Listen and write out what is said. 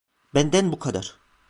Benden bu kadar.